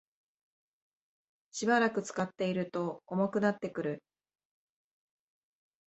しばらく使っていると重くなってくる